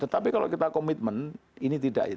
tapi kalau kita komitmen ini tidak